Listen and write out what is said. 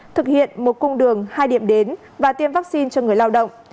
thực hiện một cung đường hai điểm đến và tiêm vaccine cho người lao động